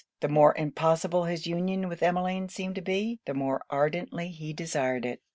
The more impossible his union with Emmeline seemed to be, the more ardently he desired it.